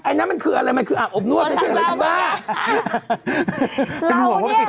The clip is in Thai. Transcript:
ไอ้นั่นมันคืออะไรอาบอบนวดไม่ใช่อะไรจังบ้าง